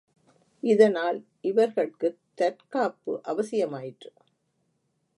இதனால் இவர்கட்குத் தற்காப்பு அவசியமாயிற்று.